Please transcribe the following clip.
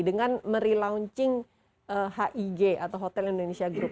dengan merelaunching hig atau hotel indonesia group